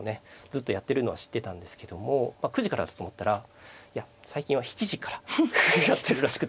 ずっとやってるのは知ってたんですけども９時からだと思ったらいや最近は７時からやってるらしくて。